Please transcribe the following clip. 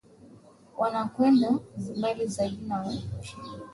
wanakwenda mbali Zaidi ya hapoWashenga hufanya kazi karibu zote za Mndewa katika ngazi